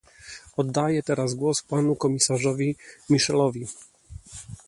Oddaję teraz głos panu komisarzowi Michelowi